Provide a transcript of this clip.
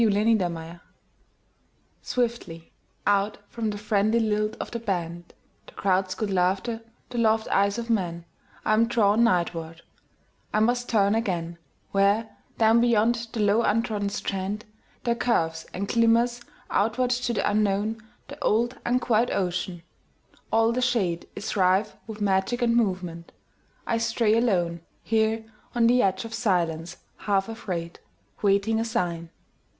Seaside SWIFTLY out from the friendly lilt of the band, The crowd's good laughter, the loved eyes of men,I am drawn nightward; I must turn againWhere, down beyond the low untrodden strand, There curves and glimmers outward to the unknownThe old unquiet ocean. All the shadeIs rife with magic and movement. I stray aloneHere on the edge of silence, half afraid, Waiting a sign.